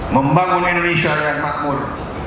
membangun indonesia yang makmur